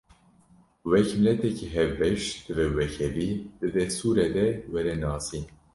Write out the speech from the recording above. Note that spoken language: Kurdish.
Wek miletekî hevbeş, divê wekhevî di destûrê de were nasîn